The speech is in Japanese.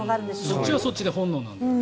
そっちはそっちで本能なんだね。